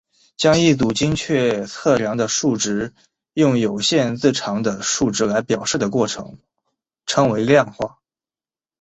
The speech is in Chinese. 将一组精确测量的数值用有限字长的数值来表示的过程称为量化。